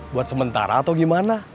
buat sementara atau gimana